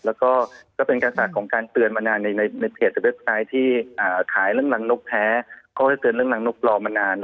แล้วก็เป็นการฝากของการเตือนมานานในเพจในเว็บไซต์ที่ขายเรื่องรังนกแท้เขาก็จะเตือนเรื่องรังนกรอมานาน